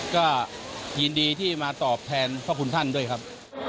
ก็ยินดีที่มาตอบแทนพระคุณท่านด้วยครับ